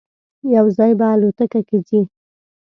یو ځای به الوتکه کې ځی.